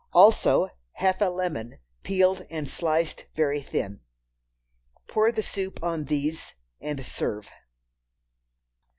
Also, half a lemon, peeled and sliced very thin. Pour the soup on these and serve.